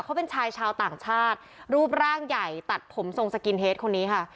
เขาเป็นชายชาวต่างชาติรูปร่างใหญ่ตัดผมทรงสกินเฮดคนนี้ค่ะ